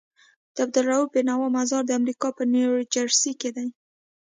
د عبدالروف بينوا مزار دامريکا نيوجرسي کي دی